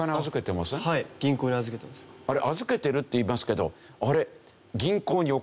あれ預けてるっていいますけどあれ。